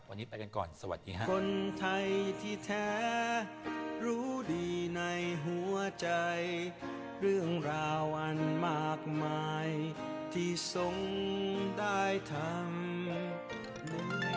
วันนี้ไปกันก่อนสวัสดีครับ